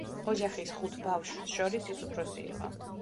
ოჯახის ხუთ ბავშვს შორის ის უფროსი იყო.